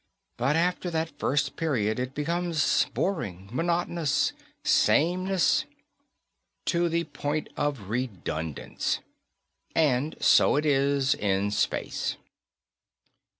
But after that first period it becomes boring, monotonous, sameness to the point of redundance. And so it is in space.